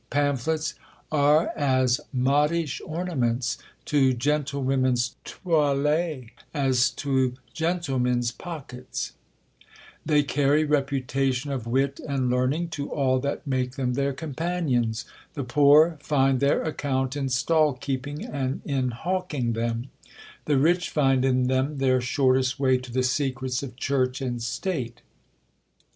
Pamphlets are as modish ornaments to gentlewomen's toilets as to gentlemen's pockets; they carry reputation of wit and learning to all that make them their companions; the poor find their account in stall keeping and in hawking them; the rich find in them their shortest way to the secrets of church and state.